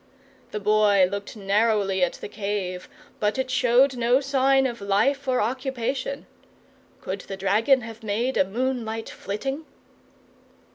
The Boy looked narrowly at the cave, but it showed no sign of life or occupation. Could the dragon have made a moon light flitting?